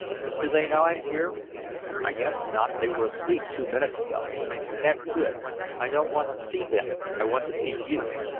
"Do they know I'm here?" "I guess not, they were asleep two minutes ago." "That's good. I don't want to see them, I want to see you."